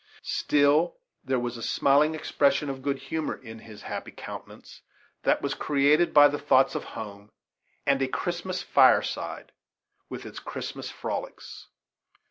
Still, there was a smiling expression of good humor in his happy countenance, that was created by the thoughts of home and a Christmas fireside, with its Christmas frolics.